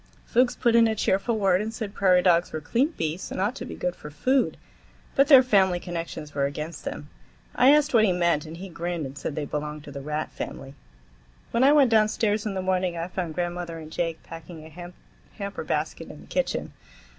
Fuchs put in a cheerful word and said prairie dogs were clean beasts and ought to be good for food, but their family connections were against them. I asked what he meant, and he grinned and said they belonged to the rat family. When I went downstairs in the morning, I found grandmother and Jake packing a hamper basket in the kitchen.